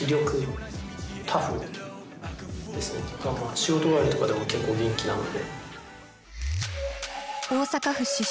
仕事終わりとかでも結構元気なので。